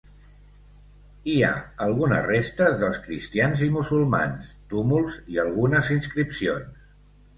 Hi ha algunes restes dels cristians i musulmans, túmuls i algunes inscripcions.